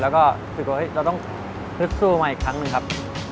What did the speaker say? แล้วก็ต้องฟื้นสู้มาอีกครั้งนึงครับ